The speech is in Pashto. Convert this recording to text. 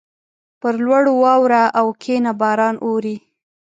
پر لوړو واوره اوکښته باران اوري.